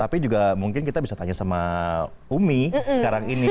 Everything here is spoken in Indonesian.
tapi juga mungkin kita bisa tanya sama umi sekarang ini